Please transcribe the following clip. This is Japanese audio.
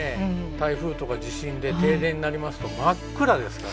台風とか地震で停電になりますと真っ暗ですから。